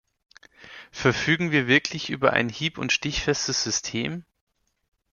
Verfügen wir wirklich über ein hieb- und stichfestes System?